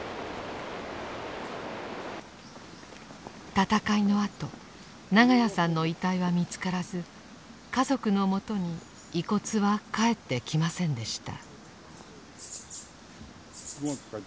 戦いのあと長屋さんの遺体は見つからず家族のもとに遺骨は還ってきませんでした。